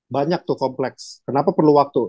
banyak tuh kompleks kenapa perlu waktu